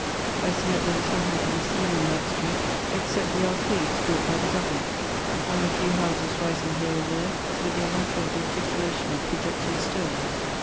As yet there was nothing to be seen in that street except the arcades built by the Government and a few houses rising here and there with their lateral denticulation of projecting stones.